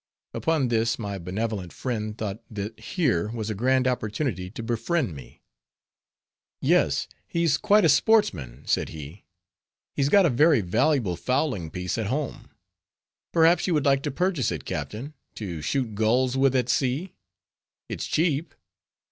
Upon this my benevolent friend thought that here was a grand opportunity to befriend me. "Yes, he's quite a sportsman," said he, "he's got a very valuable fowling piece at home, perhaps you would like to purchase it, captain, to shoot gulls with at sea? It's cheap."